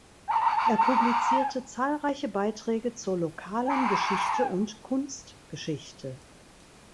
Er publizierte zahlreiche Beiträge zur lokalen Geschichte und Kunstgeschichte.